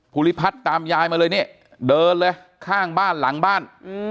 ภูริพัฒน์ตามยายมาเลยนี่เดินเลยข้างบ้านหลังบ้าน